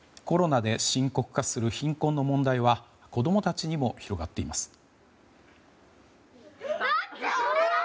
コロナで深刻化する貧困の問題は子供たちにも広がっています。